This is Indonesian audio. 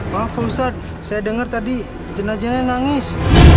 maaf ustadz saya dengar tadi jenazahnya nangis